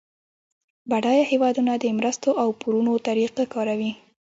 بډایه هیوادونه د مرستو او پورونو طریقه کاروي